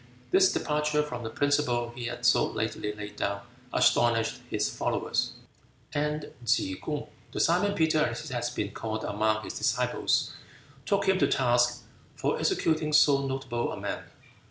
This departure from the principle he had so lately laid down astonished his followers, and Tsze kung the Simon Peter as he has been called among his disciples took him to task for executing so notable a man.